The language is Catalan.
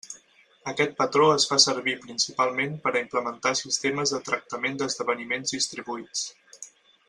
Aquest patró es fa servir principalment per a implementar sistemes de tractament d'esdeveniments distribuïts.